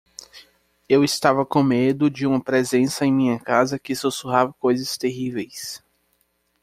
Eu estava com medo de uma presença em minha casa que sussurrava coisas terríveis.